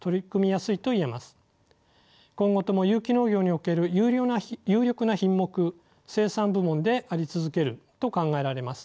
今後とも有機農業における有力な品目生産部門であり続けると考えられます。